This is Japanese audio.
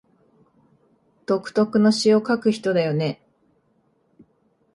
独特の詩を書く人だよね